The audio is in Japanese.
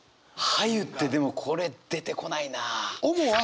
「映」ってでもこれ出てこないな。